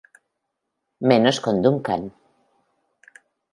Menos con Duncan.